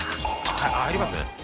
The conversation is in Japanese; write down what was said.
△入りますね。